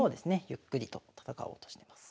ゆっくりと戦おうとしてます。